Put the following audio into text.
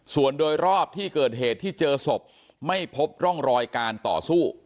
ส่วนโดยรอบที่เกิดเหตุที่เจอศพไม่พบร่องรอยการต่อสู้